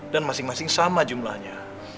dan masing masing sama jumlahnya